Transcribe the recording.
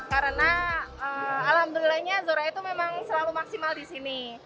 karena alhamdulillahnya elzora itu memang selalu maksimal di sini